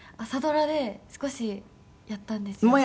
朝ドラで少しやったんですよ。